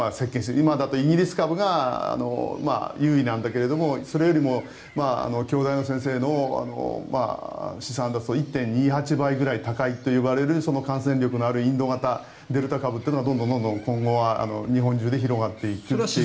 今だとイギリス株が優位なんだけどそれよりも京大の先生の試算ですと１．２８倍ぐらい高いといわれる感染力のあるインド型、デルタ株がどんどん今後は日本中で広がっていく。